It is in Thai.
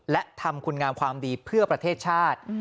และทำคุณงามความดีเพื่อประเทศชาติ